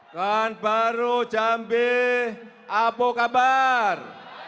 kan baru jambi apa kabar